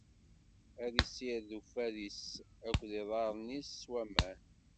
Ad issired uffad-is akked iḍarren-is s waman.